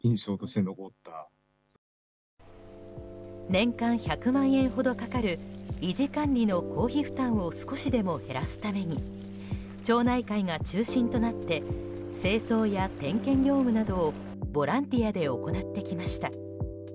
年間１００万円ほどかかる維持・管理の公費負担を少しでも減らすために町内会が中心となって清掃や点検業務などをボランティアで行ってきました。